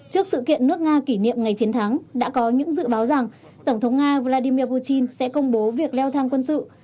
trước sự kiện nước nga kỷ niệm ngày chiến thắng đã có những dự báo rằng tổng thống nga vladimir putin sẽ công bố việc leo thang quân sự